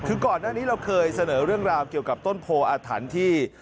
คือก่อนหน้านี้เราเคยเสนอเรื่องราวเกี่ยวกับต้นโพออาถรรพ์ที่